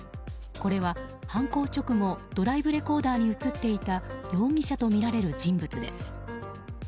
これは犯行直後ドライブレコーダーに映っていた容疑者とみられる人物です。